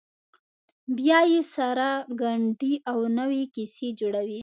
بیا یې سره ګنډي او نوې کیسې جوړوي.